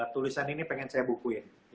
tulisan ini pengen saya bukuin